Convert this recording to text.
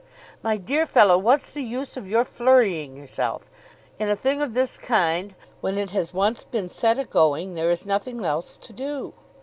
"My dear fellow, what's the use of your flurrying yourself? In a thing of this kind, when it has once been set agoing, there is nothing else to do.